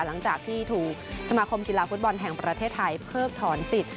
หลังจากที่ถูกสมาคมกีฬาฟุตบอลแห่งประเทศไทยเพิกถอนสิทธิ